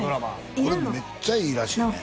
これめっちゃいいらしいね